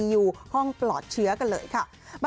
อยู่ห้องปลอดเชื้อกันเลยค่ะ